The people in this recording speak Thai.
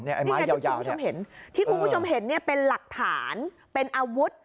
นี่ไงที่คุณผู้ชมเห็นเป็นหลักฐานเป็นอาวุธ